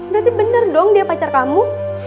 berarti benar dong dia pacar kamu